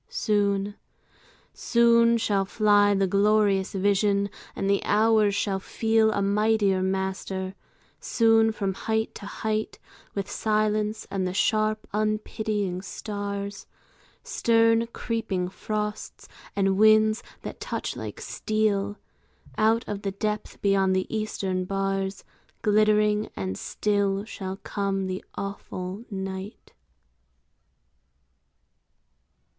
Soon, soon shall fly The glorious vision, and the hours shall feel A mightier master; soon from height to height, With silence and the sharp unpitying stars, Stern creeping frosts, and winds that touch like steel, Out of the depth beyond the eastern bars, Glittering and still shall come the awful night.